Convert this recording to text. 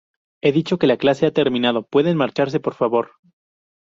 he dicho que la clase ha terminado. pueden marcharse, por favor.